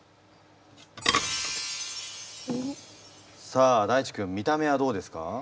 さあ大馳くん見た目はどうですか？